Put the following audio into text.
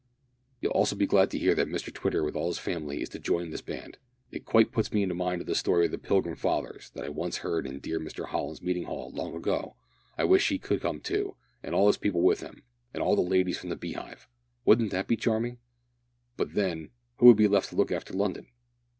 "You'll also be glad to hear that Mr Twitter with all his family is to join this band. It quite puts me in mind of the story of the Pilgrim Fathers, that I once heard in dear Mr Holland's meeting hall, long ago. I wish he could come too, and all his people with him, and all the ladies from the Beehive. Wouldn't that be charming! But, then, who would be left to look after London?